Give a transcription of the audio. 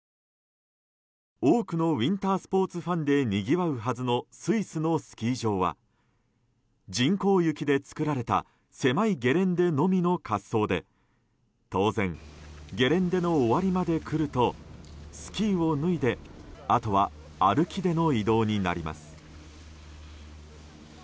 多くのウィンタースポーツファンでにぎわうはずのスイスのスキー場は人工雪で作られた狭いゲレンデのみの滑走で当然ゲレンデの終わりまで来るとスキーを脱いであとは歩きでの移動になります。